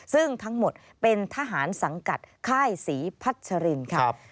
ซึ่งทั้งหมดเป็นทหารสังกัดค่ายศรีพัชรินค่ะ